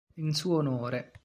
In suo onore.